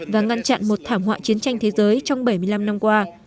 và ngăn chặn một thảm họa chiến tranh thế giới trong bảy mươi năm năm qua